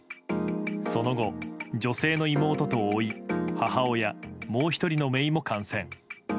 その後、女性の妹とおい、母親もう１人のめいも感染。